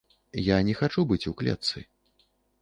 Я не хачу быць у клетцы.